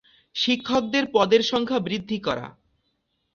শিক্ষকদের পদের সংখ্যা বৃদ্ধি করা।